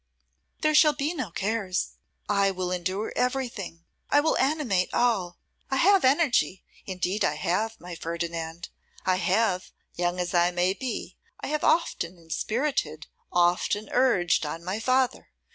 'There shall be no cares; I will endure everything; I will animate all. I have energy; indeed I have, my Ferdinand. I have, young as I may be, I have often inspirited, often urged on my father.